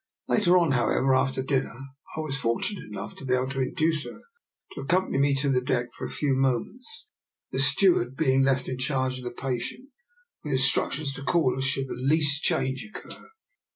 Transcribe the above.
Later on, however, after dinner, I was fortunate enough to be able to induce her to accompany me to the deck for a few moments, the steward being left in charge of the patient, with instructions to call us should the least change occur.